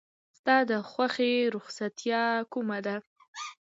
ستا د خوښې رخصتیا کومه ده؟